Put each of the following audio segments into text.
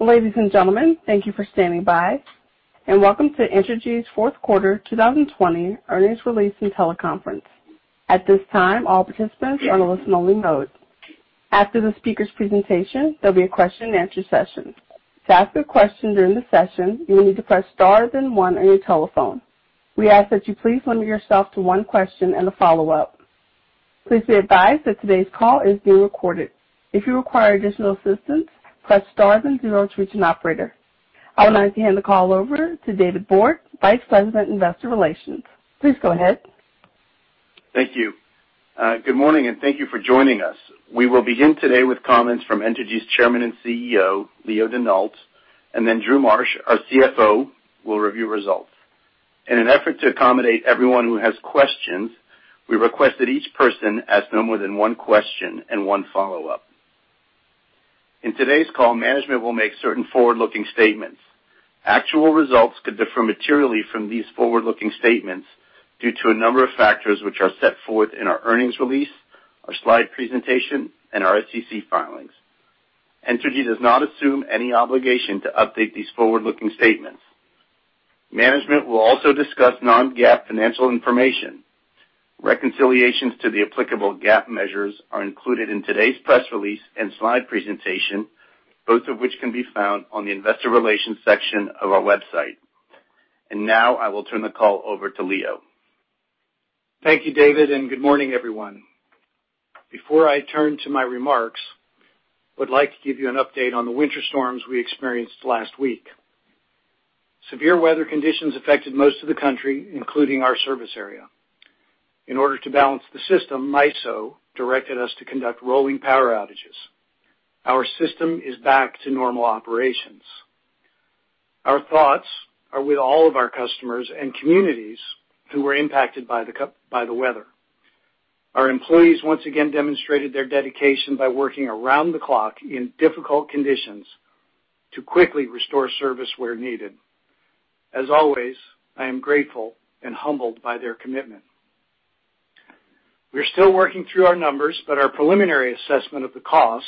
Ladies and gentlemen, thank you for standing by, and welcome to Entergy's Fourth Quarter 2020 Earnings Release and Teleconference. At this time, all participants are in listen only mode. After the speaker's presentation, there will be a question and answer session. To ask a question during the session, you will need to press star then one on your telephone. We ask that you please limit yourself to one question and a follow-up. Please be advised that today's call is being recorded. If you require additional assistance, press star then zero to reach an operator. I would now like to hand the call over to David Borde, Vice President, Investor Relations. Please go ahead. Thank you. Good morning, and thank you for joining us. We will begin today with comments from Entergy's Chairman and CEO, Leo Denault, and then Drew Marsh, our CFO, will review results. In an effort to accommodate everyone who has questions, we request that each person ask no more than one question and one follow-up. In today's call, management will make certain forward-looking statements. Actual results could differ materially from these forward-looking statements due to a number of factors, which are set forth in our earnings release, our slide presentation, and our SEC filings. Entergy does not assume any obligation to update these forward-looking statements. Management will also discuss non-GAAP financial information. Reconciliations to the applicable GAAP measures are included in today's press release and slide presentation, both of which can be found on the investor relations section of our website. Now I will turn the call over to Leo. Thank you, David. Good morning, everyone. Before I turn to my remarks, I would like to give you an update on the winter storms we experienced last week. Severe weather conditions affected most of the country, including our service area. In order to balance the system, MISO directed us to conduct rolling power outages. Our system is back to normal operations. Our thoughts are with all of our customers and communities who were impacted by the weather. Our employees once again demonstrated their dedication by working around the clock in difficult conditions to quickly restore service where needed. As always, I am grateful and humbled by their commitment. We are still working through our numbers, but our preliminary assessment of the cost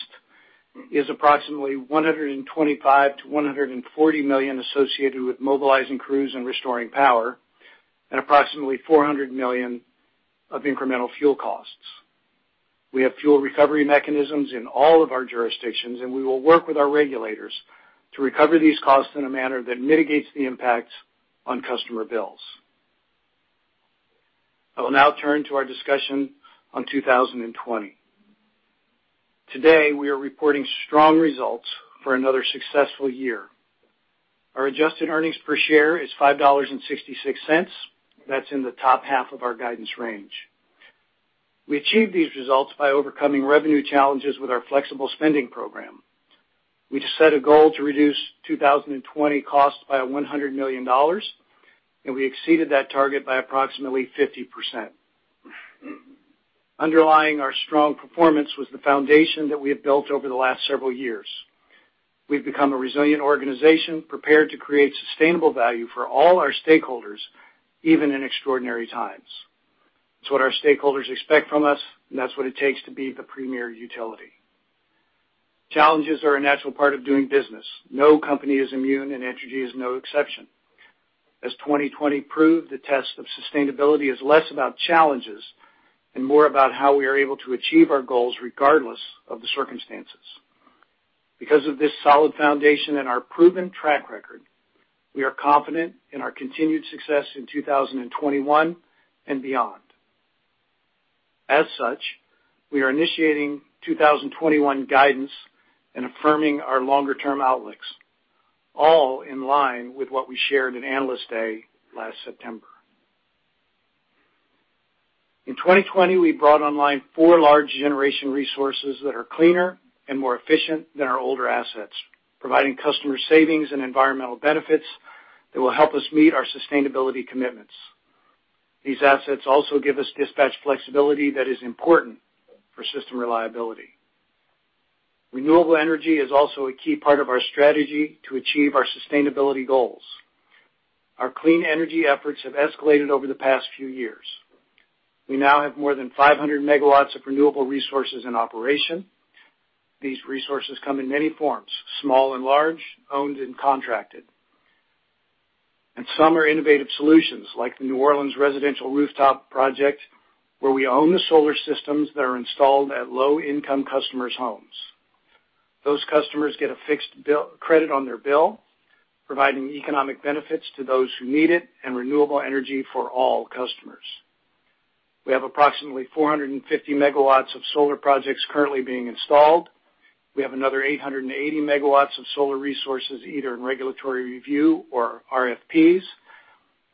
is approximately $125 million-$140 million associated with mobilizing crews and restoring power, and approximately $400 million of incremental fuel costs. We have fuel recovery mechanisms in all of our jurisdictions, and we will work with our regulators to recover these costs in a manner that mitigates the impact on customer bills. I will now turn to our discussion on 2020. Today, we are reporting strong results for another successful year. Our adjusted earnings per share is $5.66. That's in the top half of our guidance range. We achieved these results by overcoming revenue challenges with our flexible spending program. We set a goal to reduce 2020 costs by $100 million, and we exceeded that target by approximately 50%. Underlying our strong performance was the foundation that we have built over the last several years. We've become a resilient organization prepared to create sustainable value for all our stakeholders, even in extraordinary times. It's what our stakeholders expect from us, and that's what it takes to be the premier utility. Challenges are a natural part of doing business. No company is immune, and Entergy is no exception. As 2020 proved, the test of sustainability is less about challenges and more about how we are able to achieve our goals regardless of the circumstances. Because of this solid foundation and our proven track record, we are confident in our continued success in 2021 and beyond. As such, we are initiating 2021 guidance and affirming our longer-term outlooks, all in line with what we shared in Analyst Day last September. In 2020, we brought online four large generation resources that are cleaner and more efficient than our older assets, providing customer savings and environmental benefits that will help us meet our sustainability commitments. These assets also give us dispatch flexibility that is important for system reliability. Renewable energy is also a key part of our strategy to achieve our sustainability goals. Our clean energy efforts have escalated over the past few years. We now have more than 500 MW of renewable resources in operation. These resources come in many forms, small and large, owned and contracted. Some are innovative solutions like the New Orleans residential rooftop project, where we own the solar systems that are installed at low-income customers' homes. Those customers get a fixed credit on their bill, providing economic benefits to those who need it and renewable energy for all customers. We have approximately 450 MW of solar projects currently being installed. We have another 880 MW of solar resources either in regulatory review or RFPs,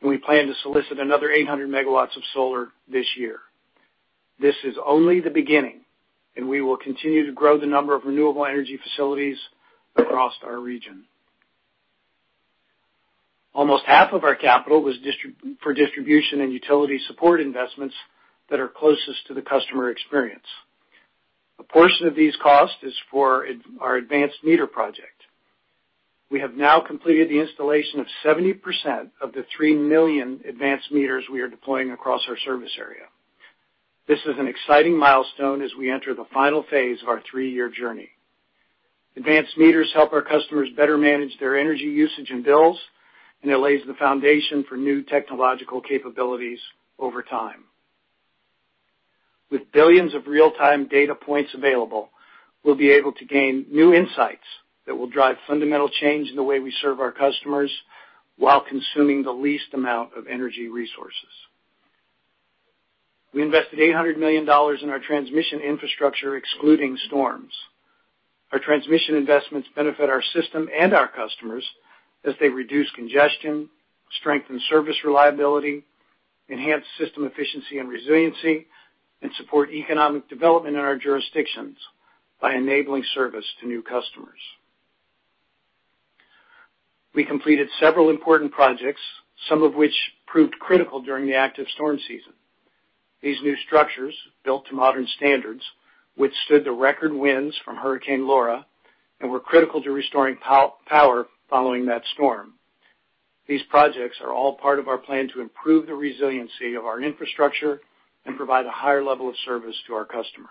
and we plan to solicit another 800 MW of solar this year. This is only the beginning, and we will continue to grow the number of renewable energy facilities across our region. Almost half of our capital was for distribution and utility support investments that are closest to the customer experience. A portion of these costs is for our advanced meter project. We have now completed the installation of 70% of the 3 million advanced meters we are deploying across our service area. This is an exciting milestone as we enter the final phase of our three-year journey. Advanced meters help our customers better manage their energy usage and bills, and it lays the foundation for new technological capabilities over time. With billions of real-time data points available, we'll be able to gain new insights that will drive fundamental change in the way we serve our customers while consuming the least amount of energy resources. We invested $800 million in our transmission infrastructure, excluding storms. Our transmission investments benefit our system and our customers as they reduce congestion, strengthen service reliability, enhance system efficiency and resiliency, and support economic development in our jurisdictions by enabling service to new customers. We completed several important projects, some of which proved critical during the active storm season. These new structures, built to modern standards, withstood the record winds from Hurricane Laura and were critical to restoring power following that storm. These projects are all part of our plan to improve the resiliency of our infrastructure and provide a higher level of service to our customers.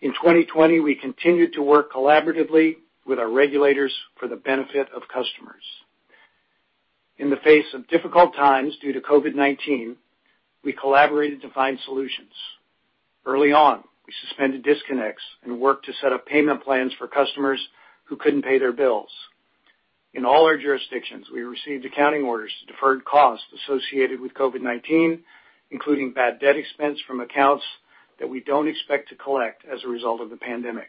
In 2020, we continued to work collaboratively with our regulators for the benefit of customers. In the face of difficult times due to COVID-19, we collaborated to find solutions. Early on, we suspended disconnects and worked to set up payment plans for customers who couldn't pay their bills. In all our jurisdictions, we received accounting orders to deferred costs associated with COVID-19, including bad debt expense from accounts that we don't expect to collect as a result of the pandemic.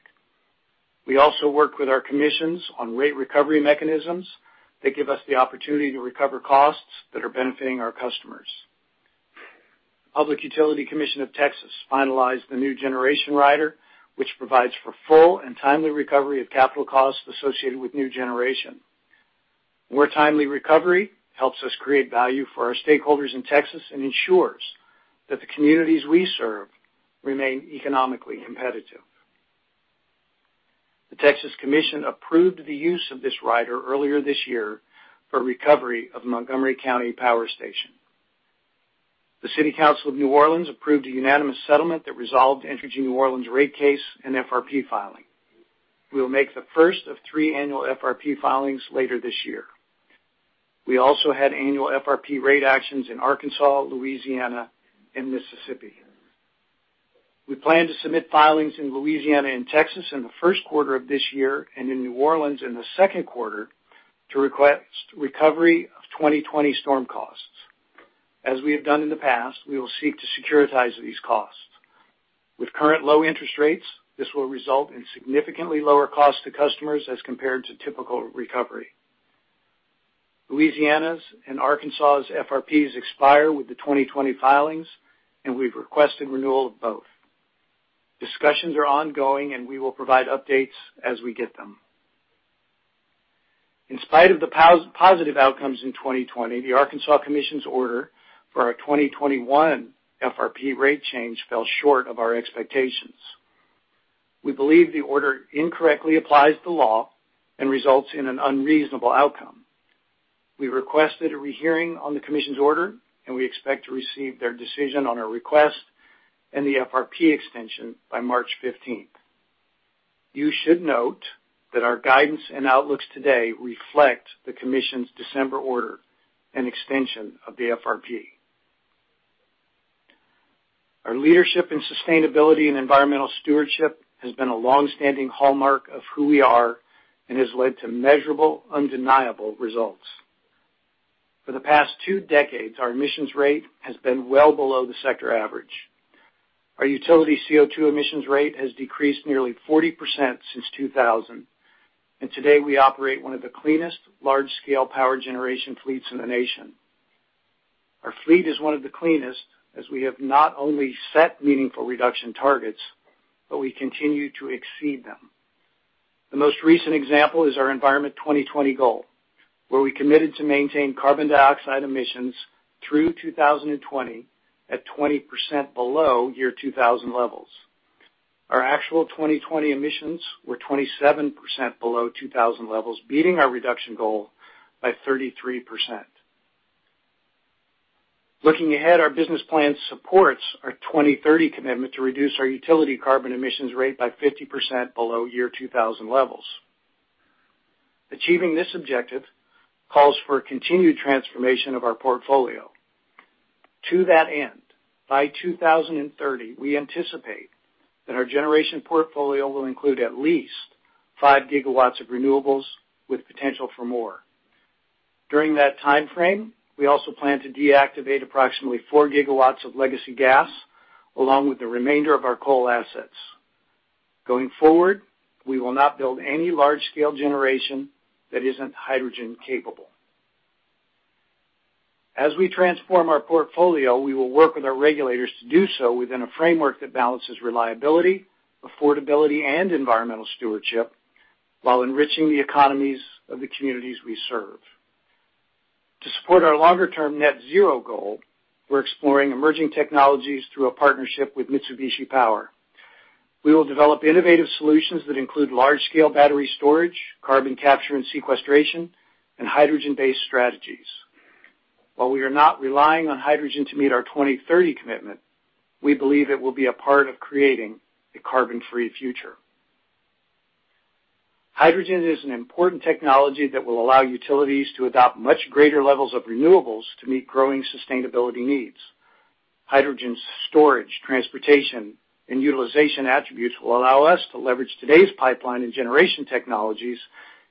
We also work with our commissions on rate recovery mechanisms that give us the opportunity to recover costs that are benefiting our customers. Public Utility Commission of Texas finalized the new generation rider, which provides for full and timely recovery of capital costs associated with new generation. More timely recovery helps us create value for our stakeholders in Texas and ensures that the communities we serve remain economically competitive. The Texas Commission approved the use of this rider earlier this year for recovery of Montgomery County Power Station. The City Council of New Orleans approved a unanimous settlement that resolved Entergy New Orleans rate case and FRP filing. We will make the first of three annual FRP filings later this year. We also had annual FRP rate actions in Arkansas, Louisiana, and Mississippi. We plan to submit filings in Louisiana and Texas in the first quarter of this year and in New Orleans in the second quarter to request recovery of 2020 storm costs. As we have done in the past, we will seek to securitize these costs. With current low interest rates, this will result in significantly lower cost to customers as compared to typical recovery. Louisiana's and Arkansas's FRPs expire with the 2020 filings. We've requested renewal of both. Discussions are ongoing. We will provide updates as we get them. In spite of the positive outcomes in 2020, the Arkansas Commission's order for our 2021 FRP rate change fell short of our expectations. We believe the order incorrectly applies the law and results in an unreasonable outcome. We requested a rehearing on the Commission's order, and we expect to receive their decision on our request and the FRP extension by March 15th. You should note that our guidance and outlooks today reflect the Commission's December order and extension of the FRP. Our leadership in sustainability and environmental stewardship has been a longstanding hallmark of who we are and has led to measurable, undeniable results. For the past two decades, our emissions rate has been well below the sector average. Our utility CO2 emissions rate has decreased nearly 40% since 2000, and today we operate one of the cleanest large-scale power generation fleets in the nation. Our fleet is one of the cleanest as we have not only set meaningful reduction targets, but we continue to exceed them. The most recent example is our Environment 2020 goal, where we committed to maintain carbon dioxide emissions through 2020 at 20% below year 2000 levels. Our actual 2020 emissions were 27% below 2000 levels, beating our reduction goal by 33%. Looking ahead, our business plan supports our 2030 commitment to reduce our utility carbon emissions rate by 50% below year 2000 levels. Achieving this objective calls for continued transformation of our portfolio. To that end, by 2030, we anticipate that our generation portfolio will include at least 5 GW of renewables with potential for more. During that time frame, we also plan to deactivate approximately four gigawatts of legacy gas, along with the remainder of our coal assets. Going forward, we will not build any large-scale generation that isn't hydrogen-capable. As we transform our portfolio, we will work with our regulators to do so within a framework that balances reliability, affordability, and environmental stewardship while enriching the economies of the communities we serve. To support our longer-term net zero goal, we're exploring emerging technologies through a partnership with Mitsubishi Power. We will develop innovative solutions that include large-scale battery storage, carbon capture and sequestration, and hydrogen-based strategies. While we are not relying on hydrogen to meet our 2030 commitment, we believe it will be a part of creating a carbon-free future. Hydrogen is an important technology that will allow utilities to adopt much greater levels of renewables to meet growing sustainability needs. Hydrogen storage, transportation, and utilization attributes will allow us to leverage today's pipeline and generation technologies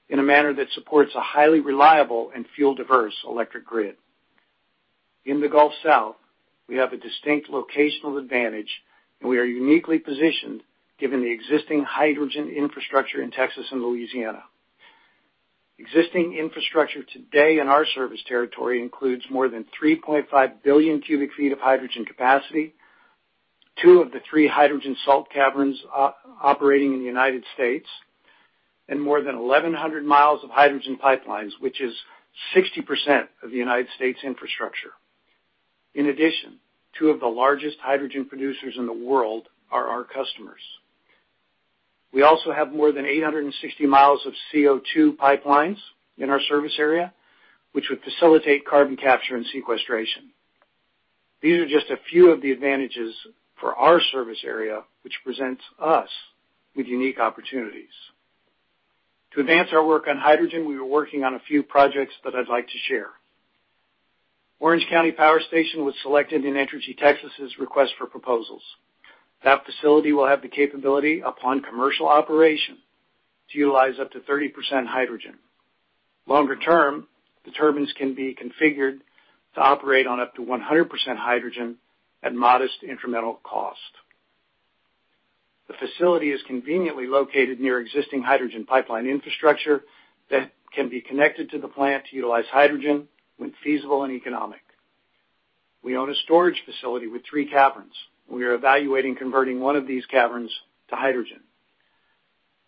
in a manner that supports a highly reliable and fuel-diverse electric grid. In the Gulf South, we have a distinct locational advantage, and we are uniquely positioned given the existing hydrogen infrastructure in Texas and Louisiana. Existing infrastructure today in our service territory includes more than 3.5 billion cubic feet of hydrogen capacity, two of the three hydrogen salt caverns operating in the United States, and more than 1,100 miles of hydrogen pipelines, which is 60% of the United States infrastructure. In addition, two of the largest hydrogen producers in the world are our customers. We also have more than 860 miles of CO2 pipelines in our service area, which would facilitate carbon capture and sequestration. These are just a few of the advantages for our service area, which presents us with unique opportunities. To advance our work on hydrogen, we are working on a few projects that I'd like to share. Orange County Power Station was selected in Entergy Texas's request for proposals. That facility will have the capability upon commercial operation to utilize up to 30% hydrogen. Longer-term, the turbines can be configured to operate on up to 100% hydrogen at modest incremental cost. The facility is conveniently located near existing hydrogen pipeline infrastructure that can be connected to the plant to utilize hydrogen when feasible and economic. We own a storage facility with three caverns. We are evaluating converting one of these caverns to hydrogen.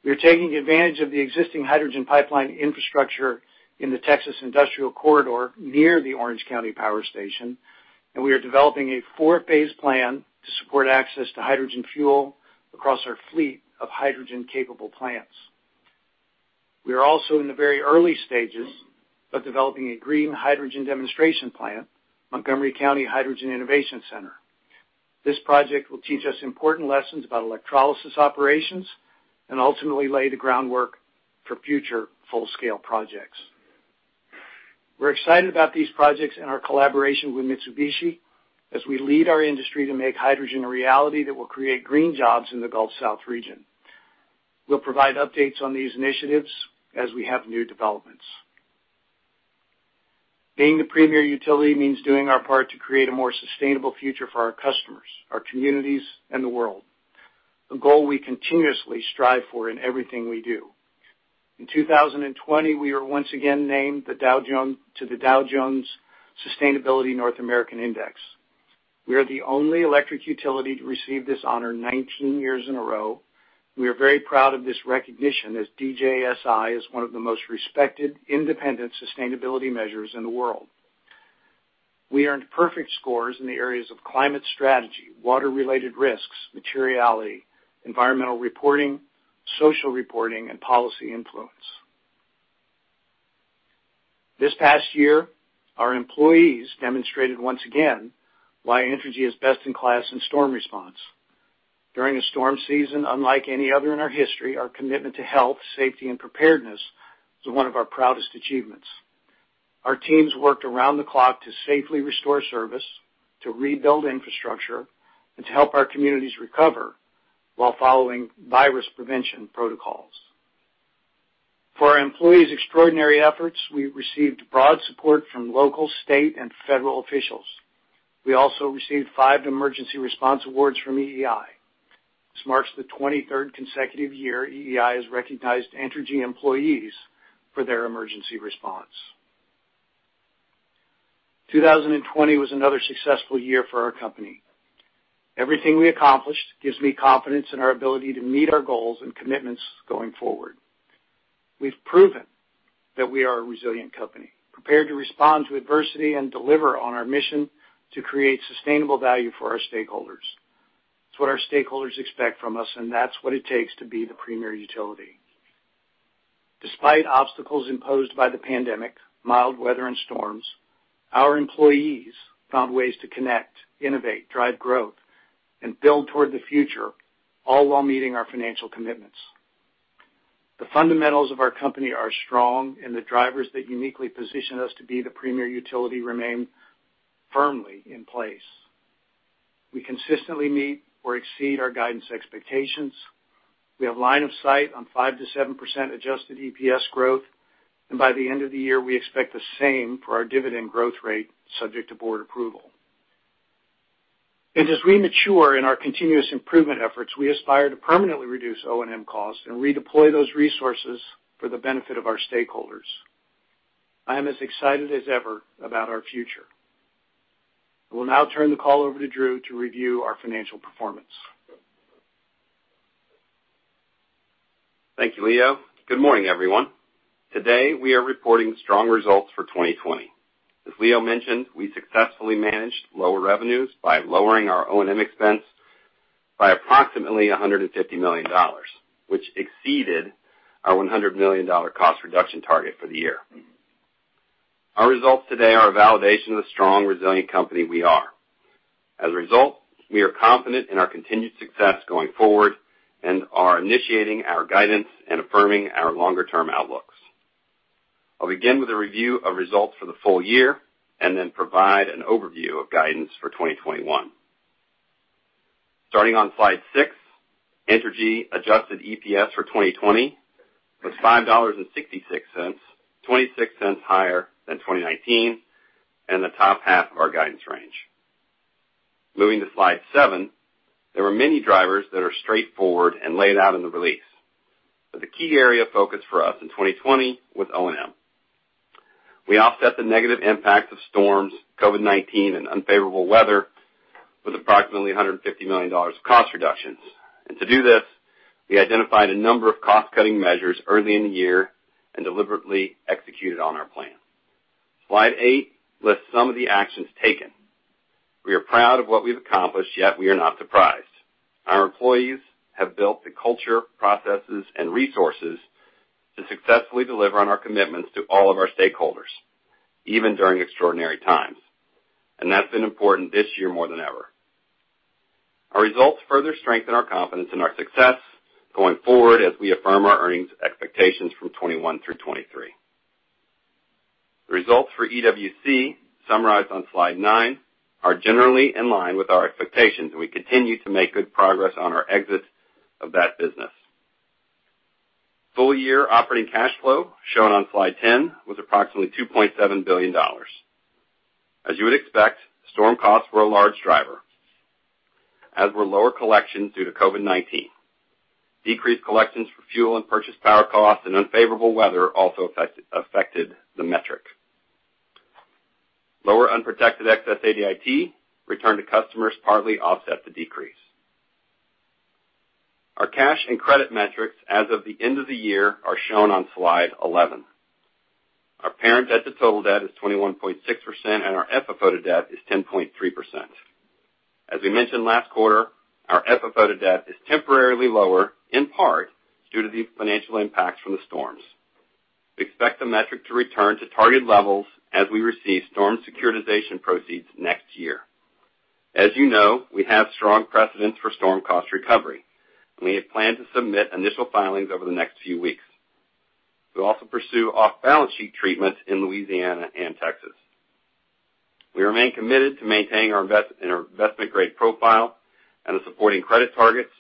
We are taking advantage of the existing hydrogen pipeline infrastructure in the Texas Industrial Corridor near the Orange County Power Station, and we are developing a four-phase plan to support access to hydrogen fuel across our fleet of hydrogen-capable plants. We are also in the very early stages of developing a green hydrogen demonstration plant, Montgomery County Hydrogen Innovation Center. This project will teach us important lessons about electrolysis operations and ultimately lay the groundwork for future full-scale projects. We're excited about these projects and our collaboration with Mitsubishi as we lead our industry to make hydrogen a reality that will create green jobs in the Gulf South region. We'll provide updates on these initiatives as we have new developments. Being the premier utility means doing our part to create a more sustainable future for our customers, our communities, and the world, a goal we continuously strive for in everything we do. In 2020, we are once again named to the Dow Jones Sustainability North America Index. We are the only electric utility to receive this honor 19 years in a row. We are very proud of this recognition, as DJSI is one of the most respected, independent sustainability measures in the world. We earned perfect scores in the areas of climate strategy, water-related risks, materiality, environmental reporting, social reporting, and policy influence. This past year, our employees demonstrated once again why Entergy is best-in-class in storm response. During a storm season unlike any other in our history, our commitment to health, safety, and preparedness was one of our proudest achievements. Our teams worked around the clock to safely restore service, to rebuild infrastructure, and to help our communities recover while following virus prevention protocols. For our employees' extraordinary efforts, we received broad support from local, state, and federal officials. We also received five emergency response awards from EEI. This marks the 23rd consecutive year EEI has recognized Entergy employees for their emergency response. 2020 was another successful year for our company. Everything we accomplished gives me confidence in our ability to meet our goals and commitments going forward. We've proven that we are a resilient company, prepared to respond to adversity and deliver on our mission to create sustainable value for our stakeholders. It's what our stakeholders expect from us, and that's what it takes to be the premier utility. Despite obstacles imposed by the pandemic, mild weather, and storms, our employees found ways to connect, innovate, drive growth, and build toward the future, all while meeting our financial commitments. The fundamentals of our company are strong, and the drivers that uniquely position us to be the premier utility remain firmly in place. We consistently meet or exceed our guidance expectations. We have line of sight on 5%-7% adjusted EPS growth. By the end of the year, we expect the same for our dividend growth rate, subject to board approval. As we mature in our continuous improvement efforts, we aspire to permanently reduce O&M costs and redeploy those resources for the benefit of our stakeholders. I am as excited as ever about our future. I will now turn the call over to Drew to review our financial performance. Thank you, Leo. Good morning, everyone. Today, we are reporting strong results for 2020. As Leo mentioned, we successfully managed lower revenues by lowering our O&M expense by approximately $150 million, which exceeded our $100 million cost reduction target for the year. Our results today are a validation of the strong, resilient company we are. As a result, we are confident in our continued success going forward and are initiating our guidance and affirming our longer-term outlooks. I'll begin with a review of results for the full year and then provide an overview of guidance for 2021. Starting on slide six, Entergy adjusted EPS for 2020 was $5.66-$0.26 higher than 2019, and the top half of our guidance range. Moving to slide seven, there were many drivers that are straightforward and laid out in the release. The key area of focus for us in 2020 was O&M. We offset the negative impacts of storms, COVID-19, and unfavorable weather with approximately $150 million of cost reductions. To do this, we identified a number of cost-cutting measures early in the year and deliberately executed on our plan. Slide eight lists some of the actions taken. We are proud of what we've accomplished, yet we are not surprised. Our employees have built the culture, processes, and resources to successfully deliver on our commitments to all of our stakeholders, even during extraordinary times, and that's been important this year more than ever. Our results further strengthen our confidence in our success going forward as we affirm our earnings expectations from 2021 through 2023. The results for EWC, summarized on slide nine, are generally in line with our expectations, and we continue to make good progress on our exit of that business. Full-year operating cash flow, shown on slide 10, was approximately $2.7 billion. As you would expect, storm costs were a large driver, as were lower collections due to COVID-19. Decreased collections for fuel and purchased power costs and unfavorable weather also affected the metric. Lower unprotected excess ADIT returned to customers partly offset the decrease. Our cash and credit metrics as of the end of the year are shown on slide 11. Our parent debt-to-total debt is 21.6%, and our FFO debt is 10.3%. As we mentioned last quarter, our FFO debt is temporarily lower, in part, due to the financial impacts from the storms. We expect the metric to return to target levels as we receive storm securitization proceeds next year. As you know, we have strong precedents for storm cost recovery, and we have planned to submit initial filings over the next few weeks. We'll also pursue off-balance-sheet treatment in Louisiana and Texas. We remain committed to maintaining our investment-grade profile and the supporting credit targets,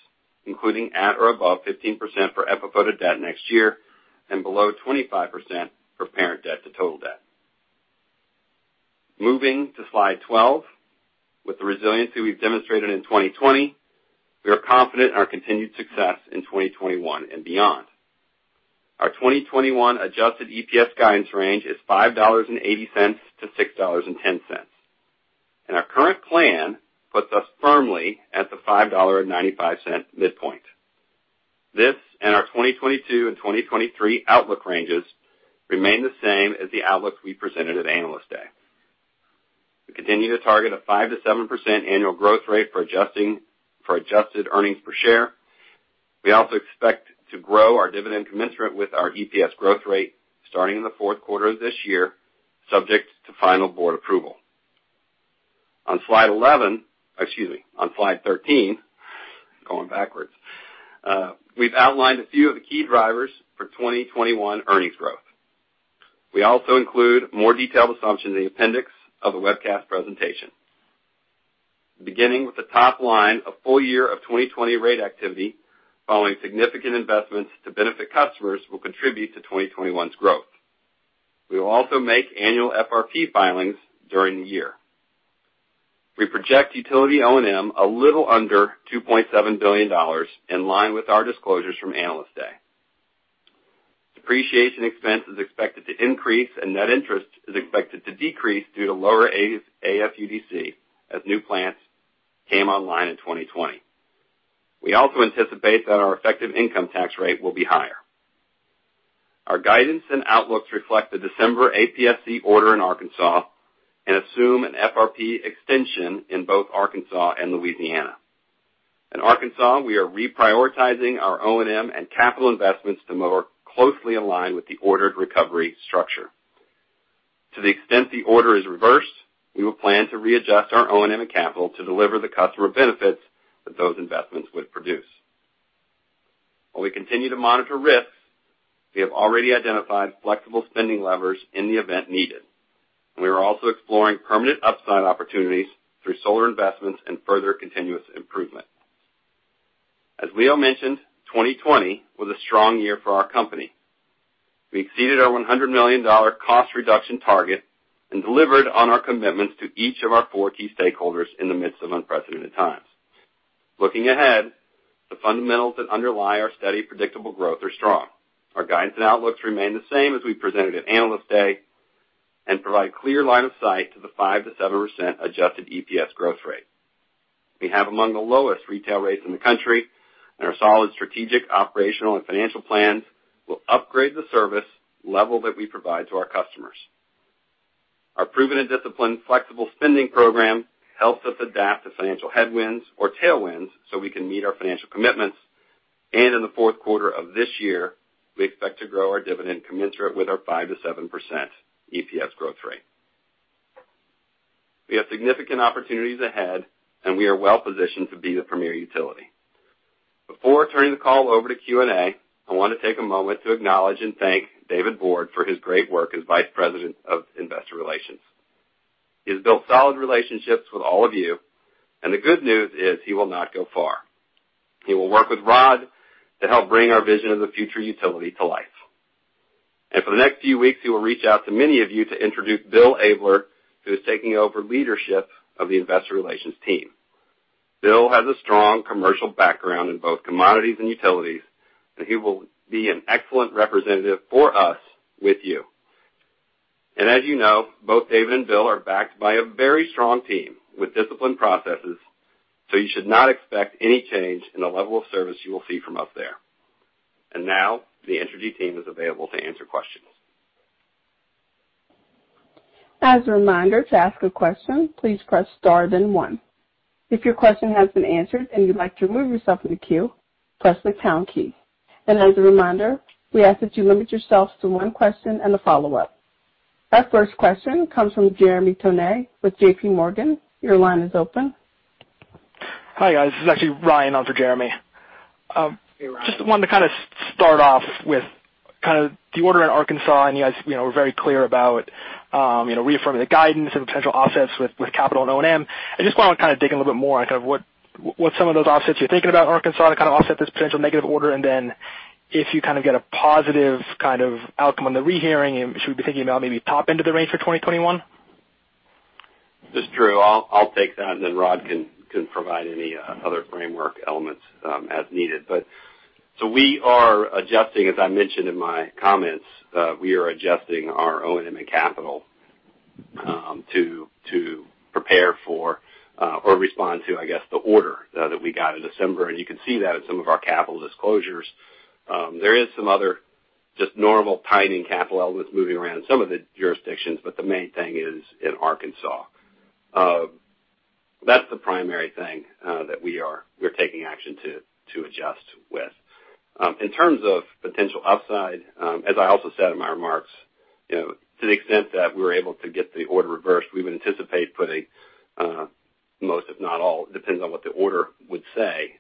including at or above 15% for FFO to debt next year and below 25% for parent debt to total debt. Moving to slide 12, with the resiliency we've demonstrated in 2020, we are confident in our continued success in 2021 and beyond. Our 2021 adjusted EPS guidance range is $5.80-$6.10. Our current plan puts us firmly at the $5.95 midpoint. This and our 2022 and 2023 outlook ranges remain the same as the outlooks we presented at Analyst Day. We continue to target a 5%-7% annual growth rate for adjusted earnings per share. We also expect to grow our dividend commensurate with our EPS growth rate starting in the fourth quarter of this year, subject to final board approval. On slide 13, going backwards, we've outlined a few of the key drivers for 2021 earnings growth. We also include more detailed assumptions in the appendix of the webcast presentation. Beginning with the top line, a full year of 2020 rate activity following significant investments to benefit customers will contribute to 2021's growth. We will also make annual FRP filings during the year. We project utility O&M a little under $2.7 billion, in line with our disclosures from Analyst Day. Depreciation expense is expected to increase, and net interest is expected to decrease due to lower AFUDC as new plants came online in 2020. We also anticipate that our effective income tax rate will be higher. Our guidance and outlooks reflect the December APSC order in Arkansas and assume an FRP extension in both Arkansas and Louisiana. In Arkansas, we are reprioritizing our O&M and capital investments to more closely align with the ordered recovery structure. To the extent the order is reversed, we will plan to readjust our O&M and capital to deliver the customer benefits that those investments would produce. While we continue to monitor risks, we have already identified flexible spending levers in the event needed. We are also exploring permanent upside opportunities through solar investments and further continuous improvement. As Leo mentioned, 2020 was a strong year for our company. We exceeded our $100 million cost reduction target and delivered on our commitments to each of our four key stakeholders in the midst of unprecedented times. Looking ahead, the fundamentals that underlie our steady, predictable growth are strong. Our guidance and outlooks remain the same as we presented at Analyst Day and provide clear line of sight to the 5%-7% adjusted EPS growth rate. We have among the lowest retail rates in the country, and our solid strategic, operational, and financial plans will upgrade the service level that we provide to our customers. Our proven and disciplined flexible spending program helps us adapt to financial headwinds or tailwinds so we can meet our financial commitments. In the fourth quarter of this year, we expect to grow our dividend commensurate with our 5%-7% EPS growth rate. We have significant opportunities ahead, and we are well-positioned to be the premier utility. Before turning the call over to Q&A, I want to take a moment to acknowledge and thank David Borde for his great work as Vice President of Investor Relations. He has built solid relationships with all of you, and the good news is he will not go far. He will work with Rod to help bring our vision of the future utility to life. For the next few weeks, he will reach out to many of you to introduce Bill Abler, who is taking over leadership of the investor relations team. Bill has a strong commercial background in both commodities and utilities, and he will be an excellent representative for us with you. As you know, both David and Bill are backed by a very strong team with disciplined processes, so you should not expect any change in the level of service you will see from us here. Now the Entergy team is available to answer questions. As a reminder, to ask a question, please press star then one. If your question has been answered and you'd like to remove yourself from the queue, press the pound key. As a reminder, we ask that you limit yourself to one question and a follow-up. Our first question comes from Jeremy Tonet with JPMorgan. Your line is open. Hi, guys. This is actually Ryan on for Jeremy. Hey, Ryan. Just wanted to start off with the order in Arkansas, and you guys were very clear about reaffirming the guidance and potential offsets with capital and O&M. I just want to kind of dig a little bit more on what some of those offsets you're thinking about Arkansas to kind of offset this potential negative order, and then if you kind of get a positive kind of outcome on the rehearing, should we be thinking about maybe top end of the range for 2021? This is Drew. I'll take that, and then Rod can provide any other framework elements as needed. We are adjusting, as I mentioned in my comments, we are adjusting our O&M and capital to prepare for or respond to, I guess, the order that we got in December. You can see that in some of our capital disclosures. There is some other just normal timing capital elements moving around in some of the jurisdictions, the main thing is in Arkansas. That's the primary thing that we are taking action to adjust with. In terms of potential upside, as I also said in my remarks, to the extent that we were able to get the order reversed, we would anticipate putting most, if not all, depends on what the order would say,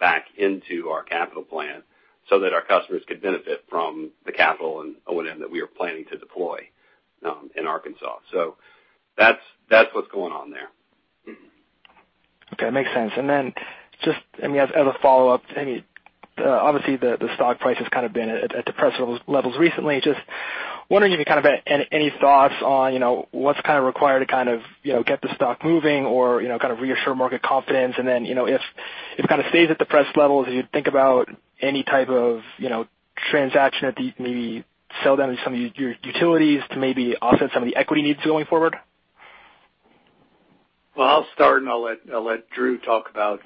back into our capital plan so that our customers could benefit from the capital and O&M that we are planning to deploy in Arkansas. That's what's going on there. Okay. Makes sense. Just as a follow-up, obviously the stock price has kind of been at depressed levels recently. Just wondering if you kind of have any thoughts on what's kind of required to get the stock moving or kind of reassure market confidence. If it kind of stays at depressed levels, do you think about any type of transaction at these maybe sell down some of your utilities to maybe offset some of the equity needs going forward? Well, I'll start, and I'll let Drew talk about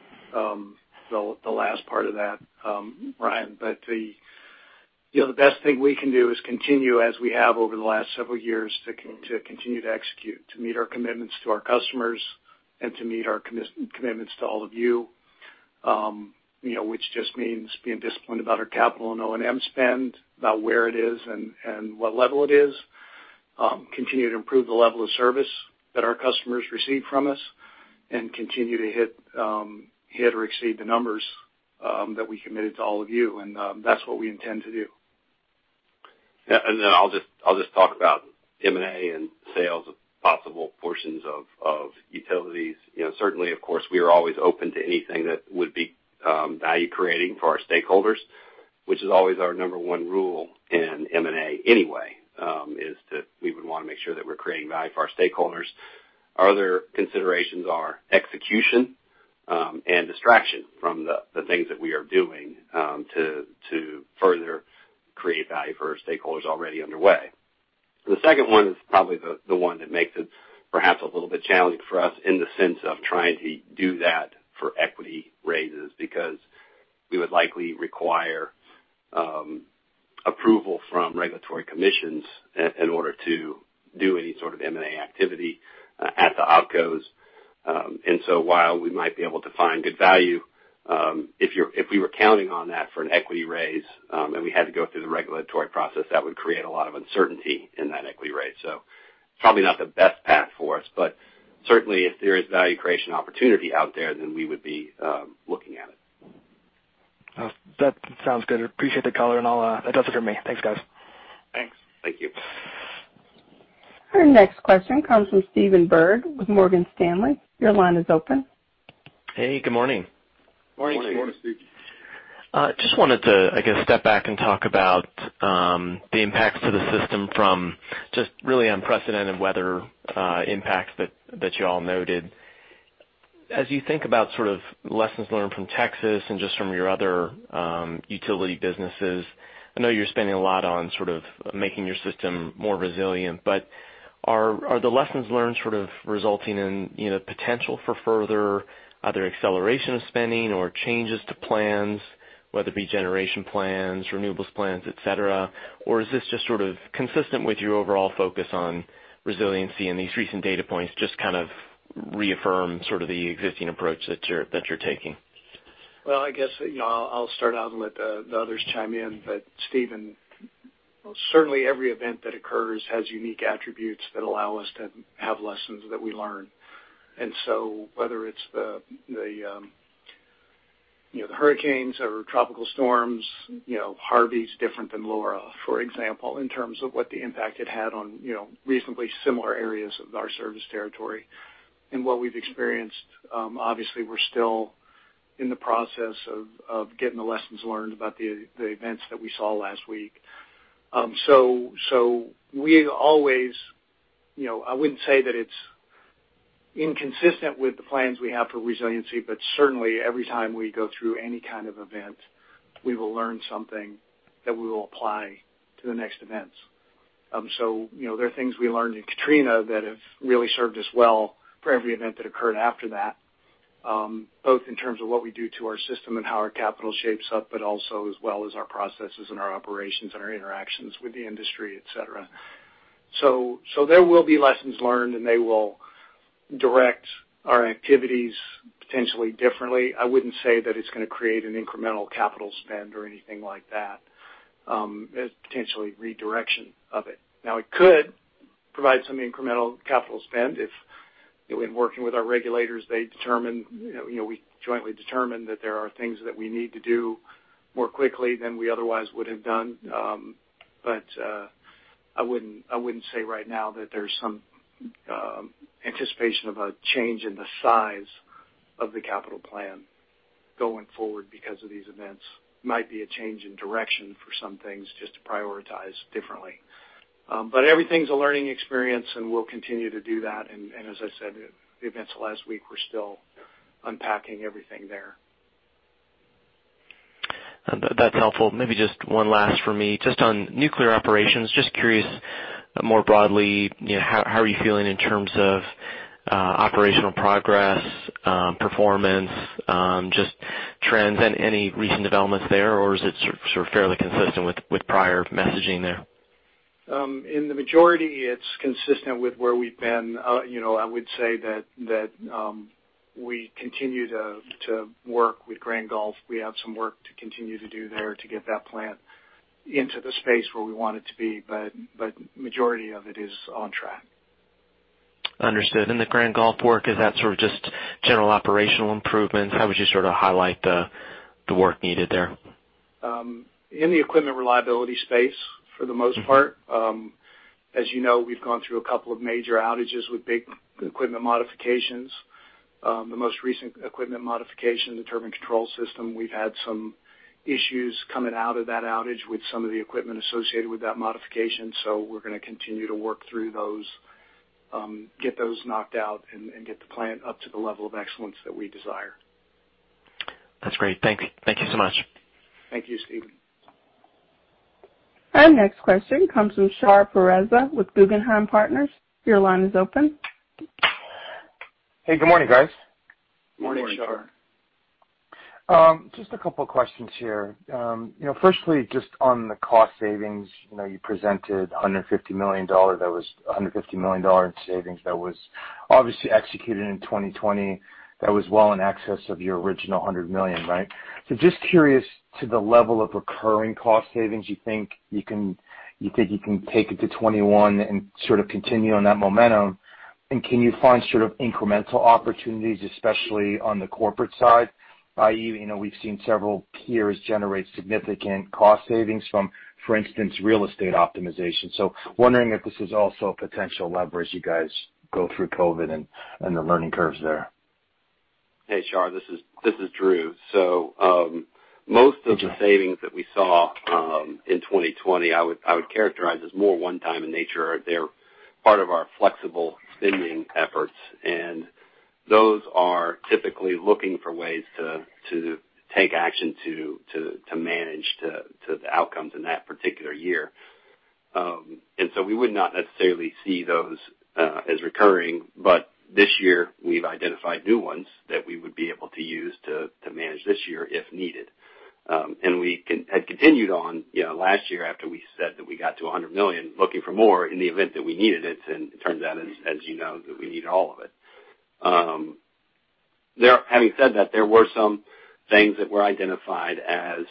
the last part of that, Ryan. The best thing we can do is continue as we have over the last several years to continue to execute, to meet our commitments to our customers and to meet our commitments to all of you, which just means being disciplined about our capital and O&M spend, about where it is and what level it is. Continue to improve the level of service that our customers receive from us and continue to hit or exceed the numbers that we committed to all of you. That's what we intend to do. Yeah. Then I'll just talk about M&A and sales of possible portions of utilities. Certainly, of course, we are always open to anything that would be value-creating for our stakeholders, which is always our number one rule in M&A anyway, is that we would want to make sure that we're creating value for our stakeholders. Our other considerations are execution and distraction from the things that we are doing to further create value for our stakeholders already underway. The second one is probably the one that makes it perhaps a little bit challenging for us in the sense of trying to do that for equity raises, because we would likely require approval from regulatory commissions in order to do any sort of M&A activity at the OpCos. While we might be able to find good value, if we were counting on that for an equity raise and we had to go through the regulatory process, that would create a lot of uncertainty in that equity raise. It's probably not the best path for us. Certainly if there is value creation opportunity out there, then we would be looking at it. That sounds good. I appreciate the color, and that's it for me. Thanks, guys. Thanks. Thank you. Our next question comes from Stephen Byrd with Morgan Stanley. Your line is open. Hey, good morning. Morning. Morning, Steve. Just wanted to, I guess, step back and talk about the impacts to the system from just really unprecedented weather impacts that you all noted. As you think about lessons learned from Texas and just from your other utility businesses, I know you're spending a lot on making your system more resilient, are the lessons learned resulting in potential for further either acceleration of spending or changes to plans, whether it be generation plans, renewables plans, et cetera? Is this just consistent with your overall focus on resiliency and these recent data points just kind of reaffirm the existing approach that you're taking? I guess I'll start out and let the others chime in, but Stephen, certainly every event that occurs has unique attributes that allow us to have lessons that we learn. Whether it's the hurricanes or tropical storms, Harvey's different than Laura, for example, in terms of what the impact it had on reasonably similar areas of our service territory and what we've experienced. Obviously, we're still in the process of getting the lessons learned about the events that we saw last week. We always, I wouldn't say that it's inconsistent with the plans we have for resiliency, but certainly every time we go through any kind of event, we will learn something that we will apply to the next events. There are things we learned in Katrina that have really served us well for every event that occurred after that, both in terms of what we do to our system and how our capital shapes up, but also as well as our processes and our operations and our interactions with the industry, et cetera. There will be lessons learned, and they will direct our activities potentially differently. I wouldn't say that it's going to create an incremental capital spend or anything like that. It's potentially redirection of it. Now, it could provide some incremental capital spend if in working with our regulators, we jointly determine that there are things that we need to do more quickly than we otherwise would have done. I wouldn't say right now that there's some anticipation of a change in the size of the capital plan going forward because of these events. Might be a change in direction for some things just to prioritize differently. Everything's a learning experience, and we'll continue to do that. As I said, the events last week, we're still unpacking everything there. That's helpful. Maybe just one last for me. Just on nuclear operations, just curious more broadly, how are you feeling in terms of operational progress, performance, just trends and any recent developments there, or is it sort of fairly consistent with prior messaging there? In the majority, it's consistent with where we've been. I would say that we continue to work with Grand Gulf. We have some work to continue to do there to get that plant into the space where we want it to be, but majority of it is on track. Understood. The Grand Gulf work, is that sort of just general operational improvements? How would you sort of highlight the work needed there? In the equipment reliability space for the most part. As you know, we've gone through a couple of major outages with big equipment modifications. The most recent equipment modification, the turbine control system, we've had some issues coming out of that outage with some of the equipment associated with that modification. We're going to continue to work through those, get those knocked out, and get the plant up to the level of excellence that we desire. That's great. Thank you so much. Thank you, Stephen. Our next question comes from Shar Pourreza with Guggenheim Partners. Your line is open. Hey, good morning, guys. Morning, Shar. Just a couple of questions here. Firstly, just on the cost savings. You presented $150 million in savings that was obviously executed in 2020. That was well in excess of your original $100 million, right? Just curious to the level of recurring cost savings, you think you can take it to 2021 and sort of continue on that momentum? Can you find sort of incremental opportunities, especially on the corporate side? We've seen several peers generate significant cost savings from, for instance, real estate optimization. Wondering if this is also a potential leverage you guys go through COVID and the learning curves there. Hey, Shar, this is Drew. Most of the savings that we saw, in 2020, I would characterize as more one time in nature. They're part of our flexible spending efforts, and those are typically looking for ways to take action to manage to the outcomes in that particular year. We would not necessarily see those as recurring. This year we've identified new ones that we would be able to use to manage this year if needed. We had continued on last year after we said that we got to $100 million, looking for more in the event that we needed it. It turns out, as you know, that we need all of it. Having said that, there were some things that were identified as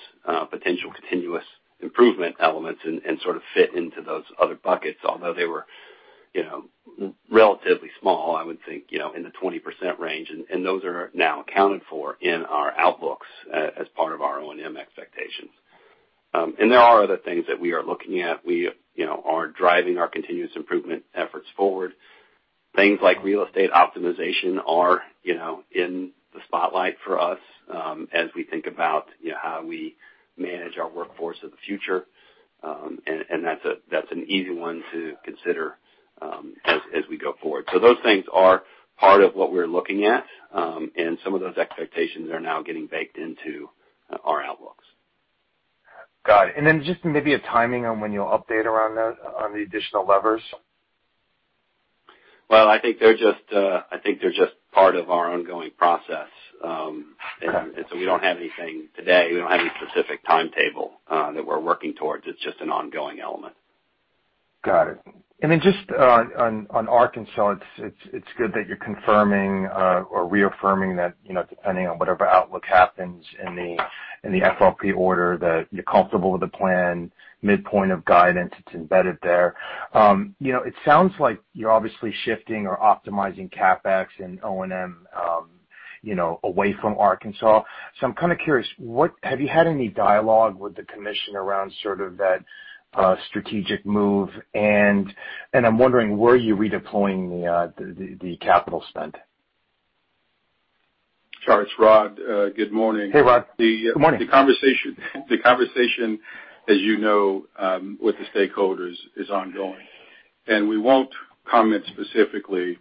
potential continuous improvement elements and sort of fit into those other buckets. Although they were relatively small, I would think in the 20% range. Those are now accounted for in our outlooks as part of our O&M expectations. There are other things that we are looking at. We are driving our continuous improvement efforts forward. Things like real estate optimization are in the spotlight for us as we think about how we manage our workforce of the future. That's an easy one to consider as we go forward. Those things are part of what we're looking at, and some of those expectations are now getting baked into our outlooks. Got it. Then just maybe a timing on when you'll update around that on the additional levers. Well, I think they're just part of our ongoing process. Okay. We don't have anything today. We don't have any specific timetable that we're working towards. It's just an ongoing element. Got it. Just on Arkansas, it's good that you're confirming or reaffirming that, depending on whatever outlook happens in the FRP order, that you're comfortable with the plan, midpoint of guidance, it's embedded there. It sounds like you're obviously shifting or optimizing CapEx and O&M away from Arkansas. I'm kind of curious, have you had any dialogue with the commission around that strategic move? I'm wondering, where are you redeploying the capital spend? Sure. It's Rod. Good morning. Hey, Rod. Good morning. The conversation, as you know, with the stakeholders is ongoing. We won't comment specifically